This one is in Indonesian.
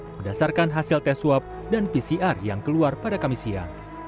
berdasarkan hasil tes swab dan pcr yang keluar pada kamis siang